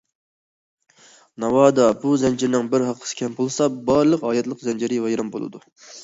ناۋادا بۇ زەنجىرنىڭ بىر ھالقىسى كەم بولسا بارلىق ھاياتلىق زەنجىرى ۋەيران بولىدۇ.